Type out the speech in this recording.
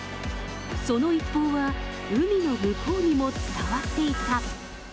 その一報は、海の向こうにも伝わっていた。